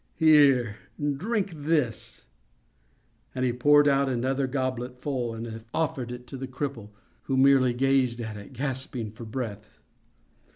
Here, drink this!" and he poured out another goblet full and offered it to the cripple, who merely gazed at it, gasping for breath.